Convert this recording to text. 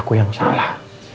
aku yang salah